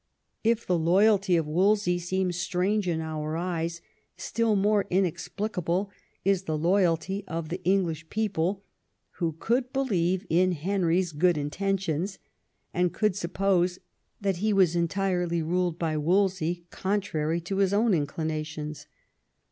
If the loyalty of Wolsey seems slrange to our eyes, still more inexplicable is the loyalty of the English people, who could believe in Henry's good in tentions, and could suppose that he was entirely ruled by Wolsey contrary to his own inclinations.